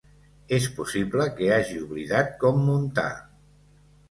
És possible que hagi oblidat com muntar.